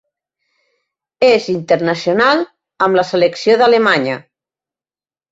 És internacional amb la selecció d'Alemanya.